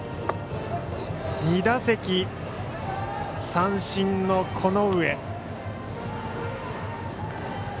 ２打席三振の此上。